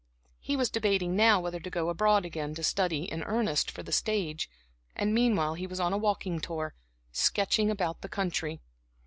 He was debating now whether to go abroad again to study in earnest for the stage, and meanwhile he was on a walking tour, sketching about the country.